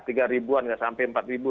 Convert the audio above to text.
tiga ribuan nggak sampai empat ribu